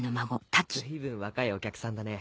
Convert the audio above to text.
随分若いお客さんだね。